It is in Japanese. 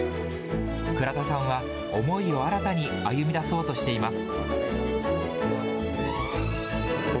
倉田さんは思いを新たに歩みだそうとしています。